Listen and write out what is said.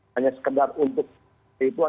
hanya sekedar untuk itu